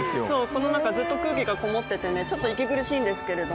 この中、ずっと空気がこもっててちょっと息苦しいんですけど。